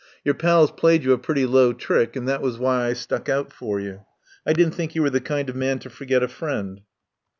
Your pals played you a pretty low trick, and that was why I stuck out for you. I didn't think you were the kind of man to forget a friend."